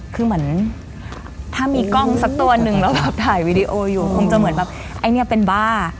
คือเหมือนถ้ามีกล้องสักตัวนึงแล้วแบบถ่ายวีดีโออยู่คงจะเหมือนแบบไอ้เนี่ยเป็นบ้า